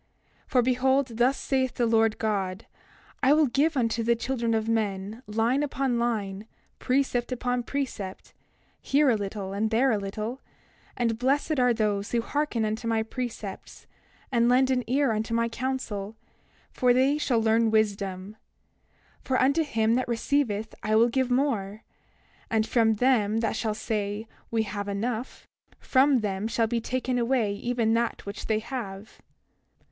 28:30 For behold, thus saith the Lord God: I will give unto the children of men line upon line, precept upon precept, here a little and there a little; and blessed are those who hearken unto my precepts, and lend an ear unto my counsel, for they shall learn wisdom; for unto him that receiveth I will give more; and from them that shall say, We have enough, from them shall be taken away even that which they have.